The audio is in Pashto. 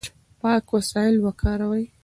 پاک وسایل وکاروئ.